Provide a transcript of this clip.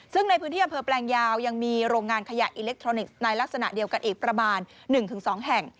ซึ่งในพื้นที่อำเภอแปลงยาวยังมีโรงงานขยะอิเล็กทรอนิกส์ในลักษณะเดียวกันอีกประมาณ๑๒แห่ง